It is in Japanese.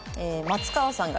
松川さん